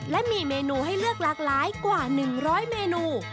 และมีเมนูให้เลือกหลากหลายกว่า๑๐๐เมนู